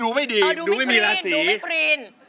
ดูไม่ดีดูไม่มีราศีดูไม่ครีน